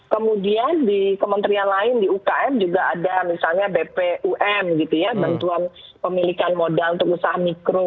kemudian di kementerian lain di ukm juga ada misalnya bpum gitu ya bantuan pemilikan modal untuk usaha mikro